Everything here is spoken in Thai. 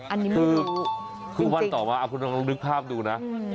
อันนี้ไม่รู้จริงคุณบ้านต่อมาคุณต้องนึกภาพดูนะ